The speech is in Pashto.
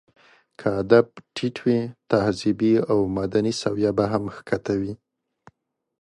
که ادب ټيت وي، تهذيبي او مدني سويه به هم ښکته وي.